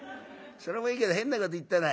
それもいいけど変なこと言ったな。